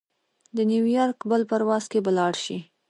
د نیویارک بل پرواز کې به لاړشې.